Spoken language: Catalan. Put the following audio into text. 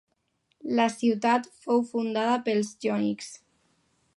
La ciutat fou fundada pels jònics.